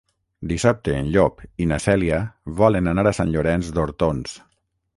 Dissabte en Llop i na Cèlia volen anar a Sant Llorenç d'Hortons.